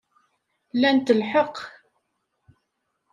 Lant lḥeqq.